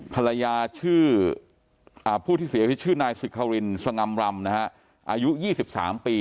ภรรยาชื่อผู้ที่เสียชีวิตชื่อนายสิครินสง่ำรำอายุ๒๓ปี